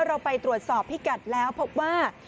เราไปตรวจสอบพิกัดแล้วพบว่า